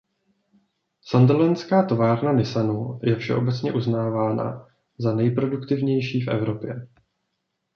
Sunderlandská továrna Nissanu je všeobecně uznávána za nejproduktivnější v Evropě.